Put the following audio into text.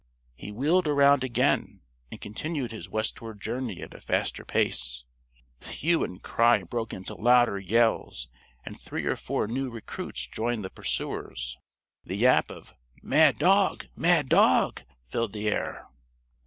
He wheeled around again and continued his westward journey at a faster pace. The hue and cry broke into louder yells and three or four new recruits joined the pursuers. The yap of "Mad dog! Mad dog!" filled the air.